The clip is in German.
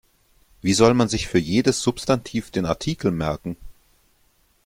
Wie soll man sich für jedes Substantiv den Artikel merken?